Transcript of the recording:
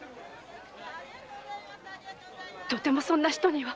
とてもそんな人には。